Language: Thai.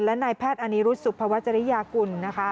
และนายแพทย์อานีรุชสุภวจริยากุล